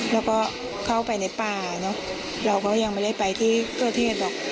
แล้วก็เข้าไปในป่าเนอะเราก็ยังไม่ได้ไปที่เกิดเหตุหรอก